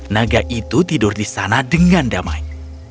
naga itu tidur di sana dengan damai